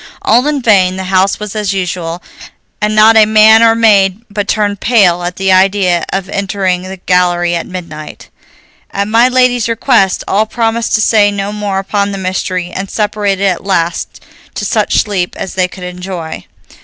All in vain; the house was as usual, and not a man or maid but turned pale at the idea of entering the gallery at midnight. At my lady's request, all promised to say no more upon the mystery, and separated at last to such sleep as they could enjoy.